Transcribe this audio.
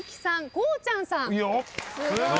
こうちゃんさん。